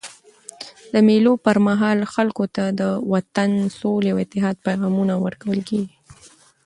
د مېلو پر مهال خلکو ته د وطن، سولي او اتحاد پیغامونه ورکول کېږي.